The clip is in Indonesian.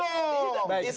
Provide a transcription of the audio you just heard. itu perintah abie prizik